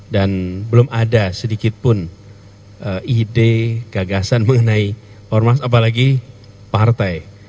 dan belum ada sedikitpun ide gagasan mengenai ormas apalagi partai